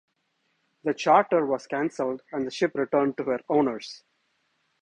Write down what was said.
The charter was cancelled and the ship returned to her owners.